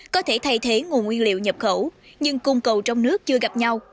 có thể thay thế nguồn nguyên liệu nhập khẩu nhưng cung cầu trong nước chưa gặp nhau